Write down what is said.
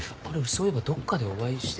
そういえばどっかでお会いして。